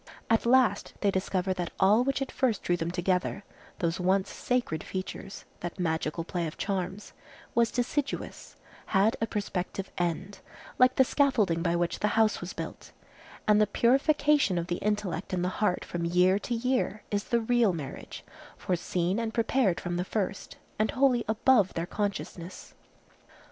At last they discover that all which at first drew them together,—those once sacred features, that magical play of charms,—was deciduous, had a prospective end, like the scaffolding by which the house was built; and the purification of the intellect and the heart from year to year is the real marriage, foreseen and prepared from the first, and wholly above their consciousness.